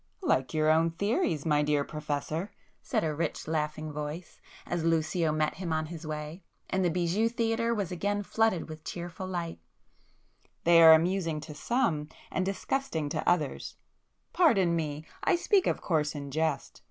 "Like your own theories, my dear Professor!" said a rich laughing voice, as Lucio met him on his way, and the bijou theatre was again flooded with cheerful light—"They are amusing to some, and disgusting to others!——Pardon me!—I speak of course in jest!